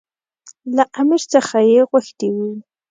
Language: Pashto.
له امیر څخه یې غوښتي وو.